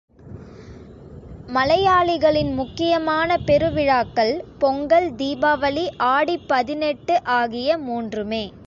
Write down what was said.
மலையாளிகளின் முக்கியமான பெருவிழாக்கள் பொங்கல், தீபாவளி, ஆடிப்பதினெட்டு ஆகிய மூன்றுமே.